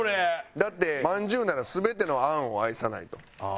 だってまんじゅうなら全てのあんを愛さないと。